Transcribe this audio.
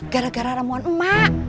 gara gara ramuan emak